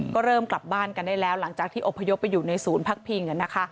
ก็เริ่มกลับบ้านกันได้แล้วหลังจากที่อบพยพไปอยู่ในศูนย์พักพิง